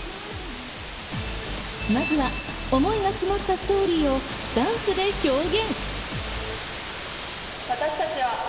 まずは思いが詰まったストーリーをダンスで表現。